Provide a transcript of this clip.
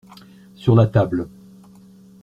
Sur la table.